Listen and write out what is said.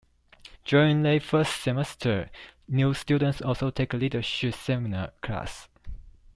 During their first semester, new students also take a leadership seminar class.